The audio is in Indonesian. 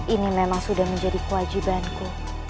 ini memang sudah menjadi kewajibanku